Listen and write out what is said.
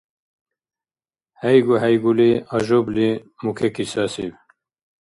ХӀейгу-хӀейгули Ажубли мукеки сасиб.